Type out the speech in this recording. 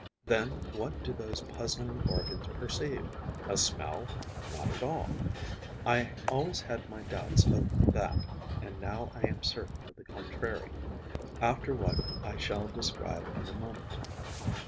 Then what do those puzzling organs perceive? A smell? Not at all; I always had my doubts of that and now I am certain of the contrary, after what I shall describe in a moment.